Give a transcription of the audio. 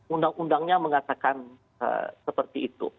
undang undangnya mengatakan seperti itu